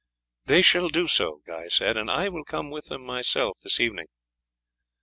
"They shall do so," Guy said, "and I will come with them myself this evening."